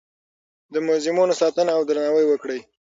د موزیمونو ساتنه او درناوی وکړئ.